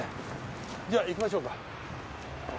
じゃあ行きましょうか。